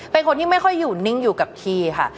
เป็นคนที่ไม่ค่อยอยู่นิ่งอยู่กับที่ค่ะ